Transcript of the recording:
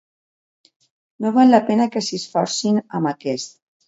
No val la pena que s'hi esforcin, amb aquest.